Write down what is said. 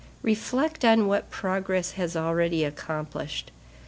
Reflect on what progress has already accomplished.